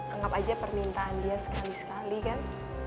anggap aja permintaan dia sekali sekali kan